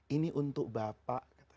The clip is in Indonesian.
ini untuk bapak